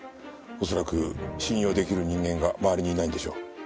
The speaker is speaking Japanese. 恐らく信用出来る人間が周りにいないんでしょう。